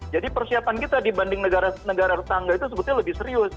jadi persiapan kita dibanding negara negara tangga itu sebetulnya lebih serius